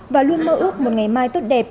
và luôn mơ ước một ngày mai tốt đẹp